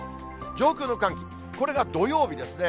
上空の寒気、これが土曜日ですね。